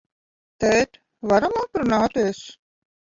Tēt, varam aprunāties?